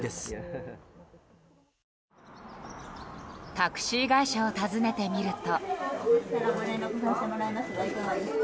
タクシー会社を訪ねてみると。